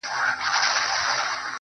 اوس په فلسفه باندي پوهېږمه~